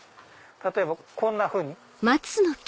例えばこんなふうに。